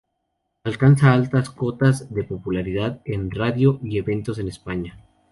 Alcanza altas cotas de popularidad en radio y eventos en España.